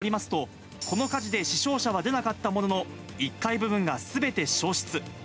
地元警察によりますと、この火事で死傷者は出なかったものの、１階部分がすべて焼失。